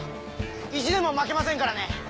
意地でも負けませんからね。